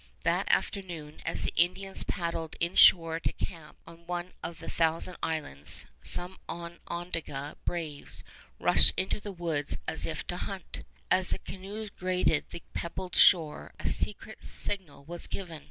That afternoon as the Indians paddled inshore to camp on one of the Thousand Islands, some Onondaga braves rushed into the woods as if to hunt. As the canoes grated the pebbled shore a secret signal was given.